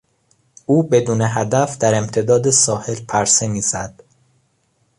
او بدون هدف در امتداد ساحل پرسه میزد.